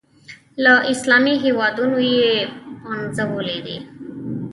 له اسلامي هېوادونو یې پنځولي دي.